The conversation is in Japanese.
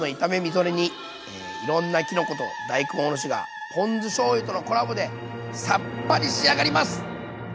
いろんなきのこと大根おろしがポン酢しょうゆとのコラボでさっぱり仕上がります。